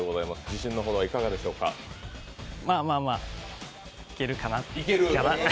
自信のほどはいかがでしょうかまあ、まあ、まあいけるかな